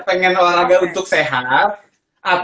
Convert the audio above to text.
pengen olahraga untuk sehat